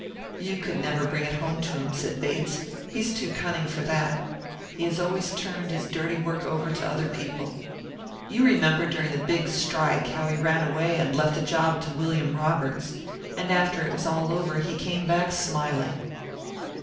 "You could never bring it home to him," said Bates; "he's too cunning for that. He has always turned his dirty work over to other people. You remember during the big strike how he ran away and left the job to William Roberts; and after it was all over, he came back smiling."